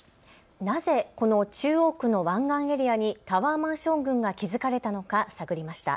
なぜこの中央区の湾岸エリアにタワーマンション群が築かれたのか探りました。